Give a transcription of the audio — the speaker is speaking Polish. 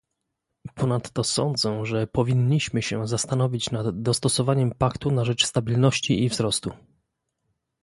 Ponadto sądzę, że powinniśmy się zastanowić nad dostosowaniem paktu na rzecz stabilności i wzrostu